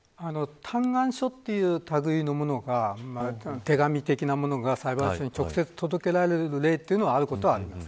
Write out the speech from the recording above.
嘆願書という類のものが手紙的なものが裁判所に直接、届けられる例というのはあることはあります。